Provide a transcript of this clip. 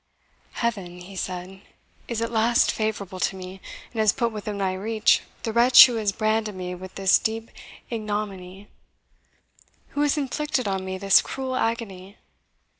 "Heaven," he said, "is at last favourable to me, and has put within my reach the wretch who has branded me with this deep ignominy who has inflicted on me this cruel agony.